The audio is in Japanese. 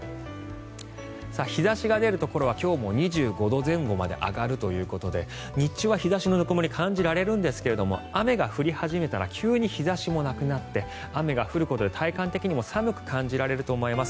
日差しが出るところは今日も２５度前後まで上がるということで日中は日差しのぬくもり感じられるんですが雨が降り始めたら急に日差しもなくなって雨が降ることで体感的にも寒く感じられると思います。